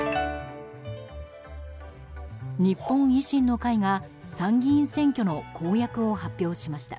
日本維新の会が参議院選挙の公約を発表しました。